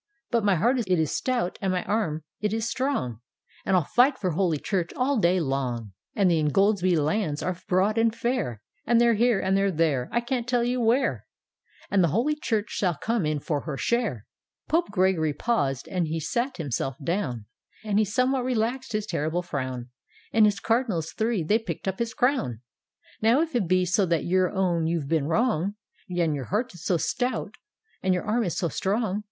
But my heart it is stout and my arm it is strong, And I'll fight for Holy Church all the day long; D,gt,, erihyGOOgle The Ingoldsby Penance 95 And the Ingoldsby lands arc broad and fair, And they're here and they're there and I can't tell you where, And the Holy Church shall come in for her share! " Pope Gregory paused and he sat himself down, And he somewhat relaxed his terrible frown. And his Cardinals three they picked up his crown. " Now if it be so that you own you've been wrong, And your heart is so stout and your arm is so strong.